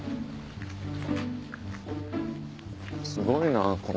すごいなこの。